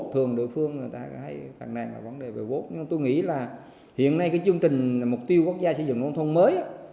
thường địa phương người ta hay thẳng nàng là vấn đề vô nhưng tôi nghĩ là hiện nay cái chương trình mục tiêu quốc gia xây dựng nông thôn mới